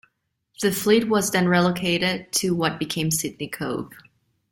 The fleet was then relocated to what became Sydney Cove.